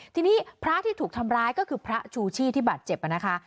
ทีนี้พระที่ถูกทำร้ายก็คือพระชูชี่ที่บาดเจ็บนะคะ